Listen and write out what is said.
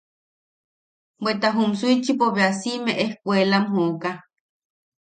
Bweta juum Suichipo bea siʼime ejkuelam jokaa.